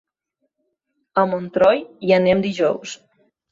A Montroi hi anem dijous.